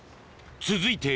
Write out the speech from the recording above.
続いて